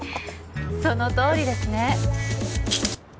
そのとおりですね